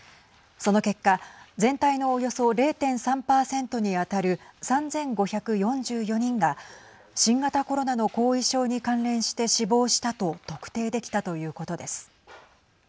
その結果全体のおよそ０．３％に当たる３５４４人が新型コロナの後遺症に関連して死亡したと特定できたということです。